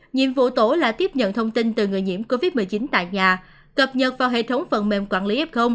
nhiệm vụ tổ là tiếp nhận thông tin từ người nhiễm covid một mươi chín tại nhà cập nhật vào hệ thống phần mềm quản lý f